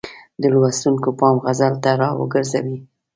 د لوستونکو پام غزل ته را وګرځوي.